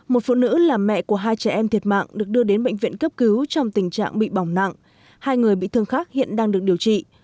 một phụ nữ là mẹ của hai trẻ em thiệt mạng được đưa đến bệnh viện cấp cứu trong tình trạng bị bỏng nặng hai người bị thương khác hiện đang được điều trị